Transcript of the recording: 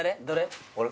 どれ？